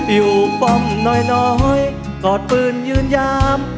อยู่ป้อมน้อยกอดปืนยืนยาม